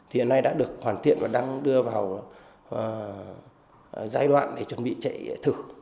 thì hiện nay đã được hoàn thiện và đang đưa vào giai đoạn để chuẩn bị chạy thử